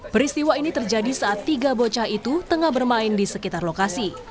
peristiwa ini terjadi saat tiga bocah itu tengah bermain di sekitar lokasi